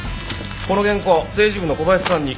この原稿政治部の小林さんに。